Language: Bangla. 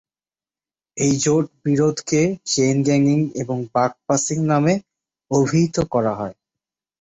এই জোট-বিরোধকে চেইন গ্যাংিং এবং বাক পাসিং নামে অভিহিত করা হয়।